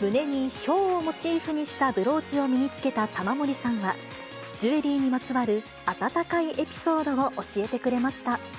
胸にヒョウをモチーフにしたブローチを身につけた玉森さんは、ジュエリーにまつわる温かいエピソードを教えてくれました。